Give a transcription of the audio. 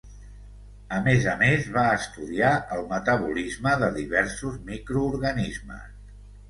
A més a més va estudiar el metabolisme de diversos microorganismes.